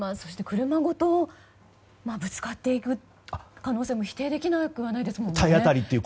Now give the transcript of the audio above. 車ごとぶつかっていく可能性も否定できなくはないですよね。